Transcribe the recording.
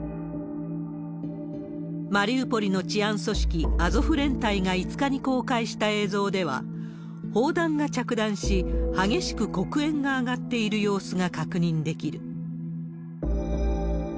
マリウポリの治安組織、アゾフ連隊が５日に公開した映像では、砲弾が着弾し、激しく黒煙が上がっている様子が確認できる。